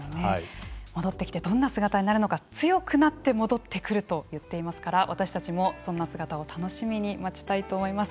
戻ってきてどんな姿になるのか強くなって戻ってくると言っていますから私たちもそんな姿を楽しみに待ちたいと思います。